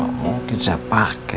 oh tidak pakai